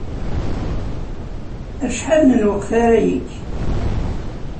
Acḥal n lweqt ara yekk?